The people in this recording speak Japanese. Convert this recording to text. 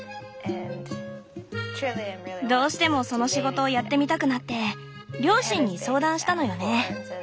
どうしてもその仕事をやってみたくなって両親に相談したのよね。